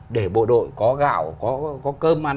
để bộ đội có gạo có cơm ăn